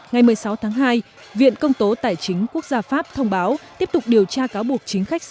ngày một mươi sáu tháng hai viện công tố tài chính quốc gia pháp thông báo tiếp tục điều tra cáo buộc chính khách sáu mươi hai tuổi